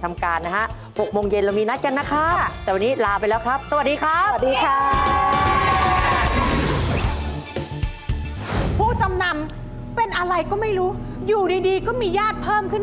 เตาปิ้งไก่ครับ